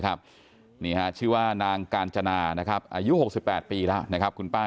นี่ฮะชื่อว่านางกาญจนานะครับอายุ๖๘ปีแล้วนะครับคุณป้า